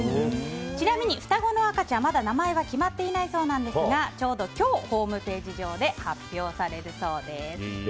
ちなみに双子の赤ちゃん、名前はまだ決まっていないそうですがちょうど今日ホームページ上で発表されるそうです。